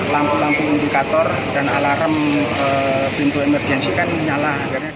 lampu lampu indikator dan alarm pintu emergensi kan nyala